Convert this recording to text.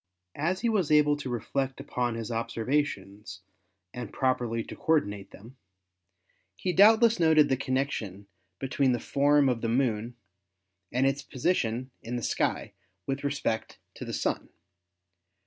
As he was able to reflect upon his observations and properly to coordinate them, he doubtless noted the connection between the form of the Moon and its position in the sky with respect to the Sun.